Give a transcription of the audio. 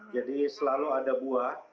jadi selalu ada buah